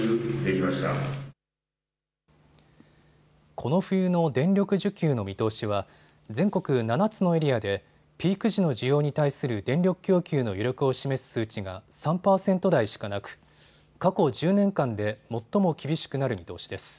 この冬の電力需給の見通しは全国７つのエリアでピーク時の需要に対する電力供給の余力を示す数値が３％台しかなく過去１０年間で最も厳しくなる見通しです。